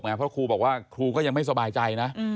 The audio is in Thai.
เพราะครูบอกว่าครูก็ยังไม่สบายใจนะ